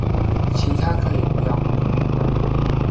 其他可以不要管